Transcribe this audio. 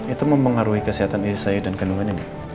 itu mempengaruhi kesehatan istri saya dan kandungannya bu